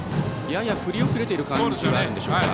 やや振り遅れている感じがあるでしょうか。